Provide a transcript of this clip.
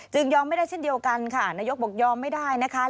ยอมไม่ได้เช่นเดียวกันค่ะนายกบอกยอมไม่ได้นะคะ